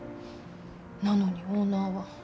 なのにオーナーは。